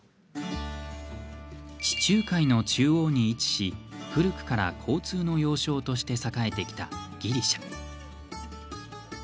地中海の中央に位置し古くから交通の要衝として栄えてきた、ギリシャ。